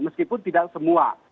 meskipun tidak semua